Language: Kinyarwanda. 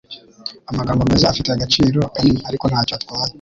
Amagambo meza afite agaciro kanini, ariko ntacyo atwaye.